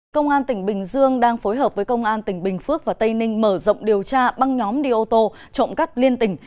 công an tỉnh bình dương đang phối hợp với công an tỉnh bình phước và tây ninh mở rộng điều tra băng nhóm đi ô tô trộm cắt liên tỉnh